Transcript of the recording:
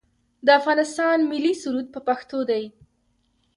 د افغانستان ملي سرود په پښتو دی